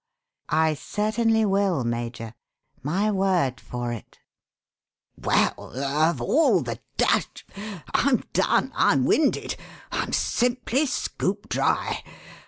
"I certainly will, Major my word for it." "Well, of all the dashed I'm done! I'm winded! I'm simply scooped dry!